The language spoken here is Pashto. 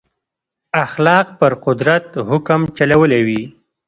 اخلاق پر قدرت حکم چلولی وي.